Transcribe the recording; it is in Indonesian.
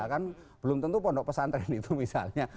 kan belum tentu pondok pesantren itu misalnya